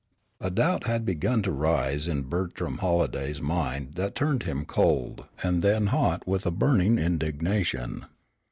A doubt had begun to arise in Bertram Halliday's mind that turned him cold and then hot with a burning indignation.